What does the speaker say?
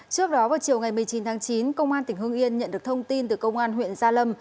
trước đó vào chiều ngày một mươi chín tháng chín công an tỉnh hương yên nhận được thông tin từ công an huyện gia lâm